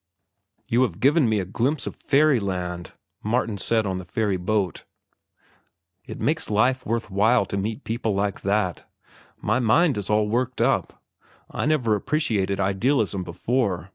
"You have given me a glimpse of fairyland," Martin said on the ferry boat. "It makes life worth while to meet people like that. My mind is all worked up. I never appreciated idealism before.